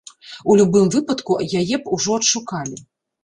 У любым выпадку, яе б ужо адшукалі.